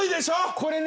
これね。